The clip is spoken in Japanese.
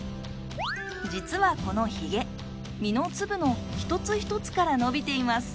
実はこのヒゲ実の粒の一つ一つから伸びています。